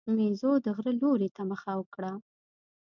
مېزو د غره لوري ته مخه وکړه.